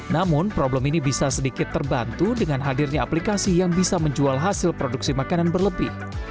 namun problem ini bisa sedikit terbantu dengan hadirnya aplikasi yang bisa menjual hasil produksi makanan berlebih